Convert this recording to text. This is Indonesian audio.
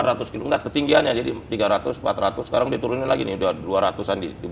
dia turunin dari empat ratus km engga ketinggiannya jadi tiga ratus empat ratus sekarang diturunin lagi nih udah dua ratus an dibuat